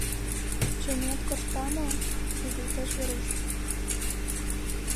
Чонет коршта мо? — игылтеш Веруш.